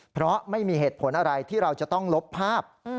เพราะไม่มีเหตุผลอะไรที่เราจะต้องลบภาพ